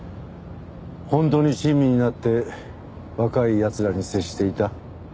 本当に親身になって若い奴らに接していた。